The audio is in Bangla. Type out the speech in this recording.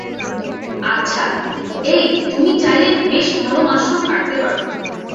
আচ্ছা, এই, তুমি চাইলে বেশ ভালো মাশরুম কাটতে পারবে।